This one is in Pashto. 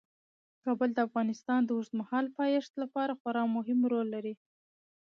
کابل د افغانستان د اوږدمهاله پایښت لپاره خورا مهم رول لري.